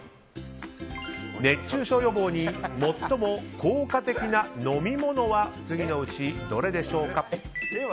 熱中症予防に最も効果的な飲み物は次のうちどれでしょうか？